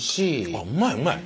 あっうまいうまい。